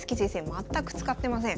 全く使ってません。